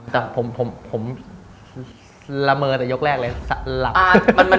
แต่ผมละเมอแต่ยกแรกเลย